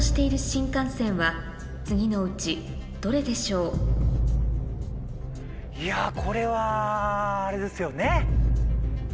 日本でいやこれはあれですよね。